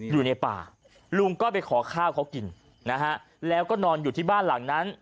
อยู่ในป่าลุงก็ไปขอข้าวเขากินนะฮะแล้วก็นอนอยู่ที่บ้านหลังนั้น